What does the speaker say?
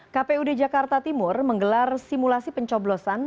kpud jakarta timur menggelar simulasi pencoblosan